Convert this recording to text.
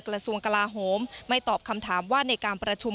กระทรวงกลาโหมไม่ตอบคำถามว่าในการประชุม